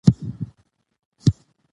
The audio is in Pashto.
که رښتیا ووایو نو باور نه ماتیږي.